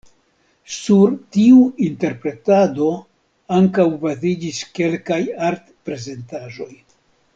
Sur tiu interpretado ankaŭ baziĝis kelkaj art-prezentaĵoj.